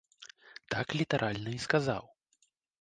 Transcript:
Так літаральна і сказаў.